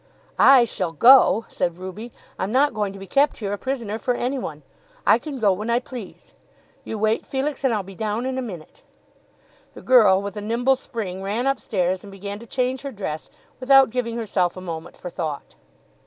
"I shall go," said Ruby. "I'm not going to be kept here a prisoner for any one. I can go when I please. You wait, Felix, and I'll be down in a minute." The girl, with a nimble spring, ran upstairs, and began to change her dress without giving herself a moment for thought.